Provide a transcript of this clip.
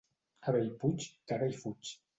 A Bellpuig, caga i fuig.